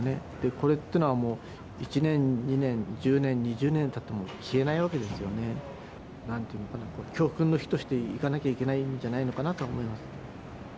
これっていうのは、もう１年、２年、１０年、２０年たっても消えないわけですよね。なんて言うのかな、教訓の日としていかなきゃいけないんじゃないのかなと思います。